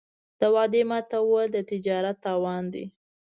د وعدې ماتول د تجارت تاوان دی.